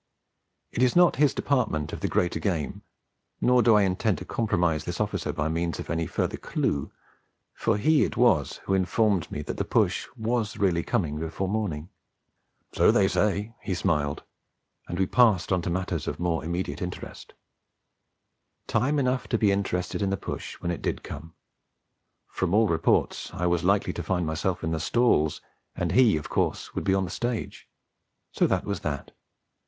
It is not his department of the greater game; nor do I intend to compromise this officer by means of any further clue; for he it was who informed me that the push was really coming before morning. 'So they say,' he smiled, and we passed on to matters of more immediate interest. Time enough to be interested in the push when it did come; from all reports I was likely to find myself in the stalls, and he of course would be on the stage. So that was that.